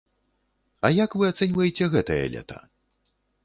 А як вы ацэньваеце гэтае лета?